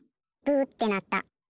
「ブー」ってなった。